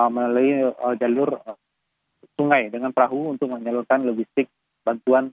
melalui jalur sungai dengan perahu untuk menyalurkan logistik bantuan